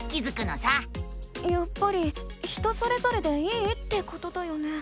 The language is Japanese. やっぱり人それぞれでいいってことだよね？